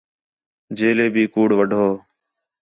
جیلے بھی کُوڑ وڈّھو